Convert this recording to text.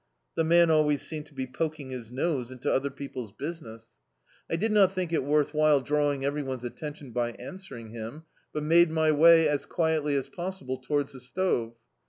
The man always seemed to be poking his nose into other people's business. D,i.,.db, Google Rain and Poverty I did not thiolc it worth while drawing every one's attenti<m by answering him, but made my way as quietly as possible towards the stove.